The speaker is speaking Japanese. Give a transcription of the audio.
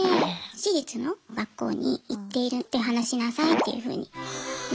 私立の学校に行っているって話しなさいっていうふうに言われていました。